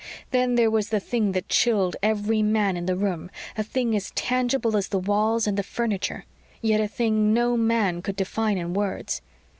Then there was the thing that chilled every man in the room; a thing as tangible as the walls and the furniture; yet a thing no man could define in words.